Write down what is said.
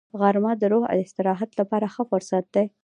غرمه د روح د استراحت لپاره ښه فرصت دی